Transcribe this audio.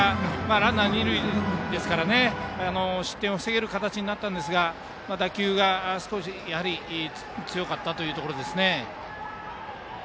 ランナー、二塁ですから失点を防げる形になったんですが打球がやはり強かったというところですね。